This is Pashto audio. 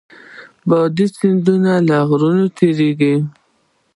باد د سیندونو له غاړې تېرېږي